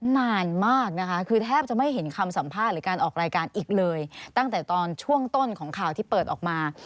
นานมากนะคะคือแทบจะไม่เห็นคำสัมภาษณ์หรือการออกรายการอีกเลยตั้งแต่ตอนช่วงต้นของข่าวที่เปิดออกมา